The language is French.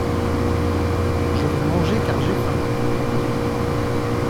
Je vais manger car j’ai faim.